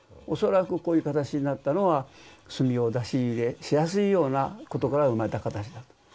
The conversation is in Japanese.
恐らくこういう形になったのは炭を出し入れしやすいようなことから生まれた形だと。